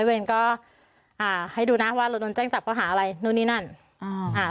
เวรก็อ่าให้ดูนะว่าเราโดนแจ้งจับเขาหาอะไรนู่นนี่นั่นอ่าอ่า